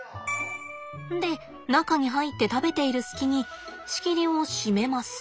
で中に入って食べている隙に仕切りを締めます。